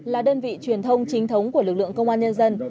là đơn vị truyền thông chính thống của lực lượng công an nhân dân